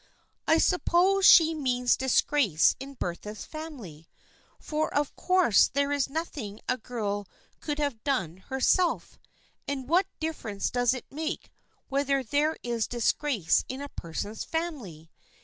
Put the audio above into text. I suppose she means disgrace in Bertha's family, for of course there is nothing a girl could have done herself, and what difference does it make whether there is disgrace in a person's family